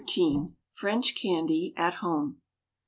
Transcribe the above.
FRENCH CANDY AT HOME.